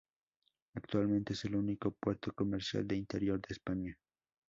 Actualmente es el único puerto comercial de interior de España.